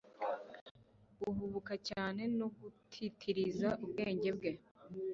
Guhubuka cyane no gutitiriza ubwenge bwe